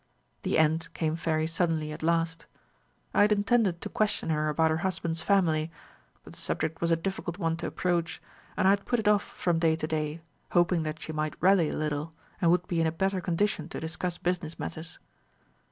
The end came very suddenly at last. I had intended to question her about her husband's family; but the subject was a difficult one to approach, and I had put it off from day to day, hoping that she might rally a little, and would be in a better condition to discuss business matters.